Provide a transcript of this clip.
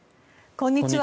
こんにちは。